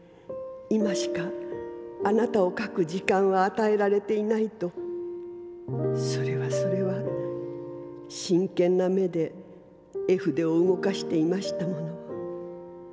今しかあなたを描く時間はあたえられていないとそれはそれは真剣な眼で絵筆を動かしていましたもの。